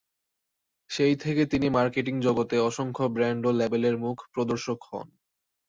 সেই থেকে তিনি মার্কেটিং জগতে অসংখ্য ব্র্যান্ড ও লেবেলের মুখ-প্রদর্শক হন।